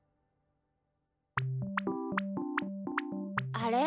あれ？